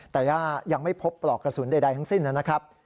แต่ว่ายังไม่พบปลอกกระสุนใดทั้งสิ้นนะครับ